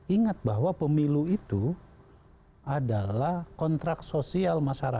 ingat bahwa pemilu itu adalah kontrak sosial masyarakat